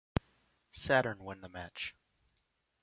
Saturn won the match.